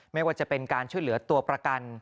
ไม่ว่าจะเป็นการช่วยเหลือตัวประกัน